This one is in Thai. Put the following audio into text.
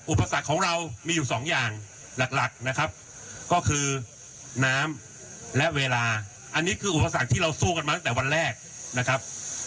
อุปสรรคของเรามีอยู่สองอย่างหลักนะครับก็คือน้ำและเวลาอันนี้คืออุปสรรคที่เราสู้กันมาตั้งแต่วันแรกนะครับ